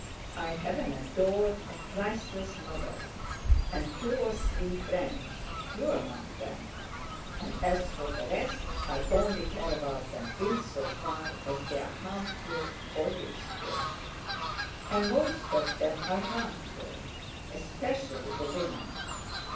I have an adored, a priceless mother, and two or three friends—you among them—and as for the rest I only care about them in so far as they are harmful or useful. And most of them are harmful, especially the women.